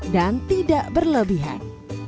dan tidak berlebihan